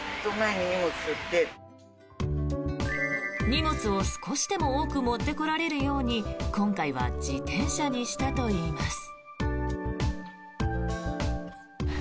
荷物を少しでも多く持ってこられるように今回は自転車にしたといいます。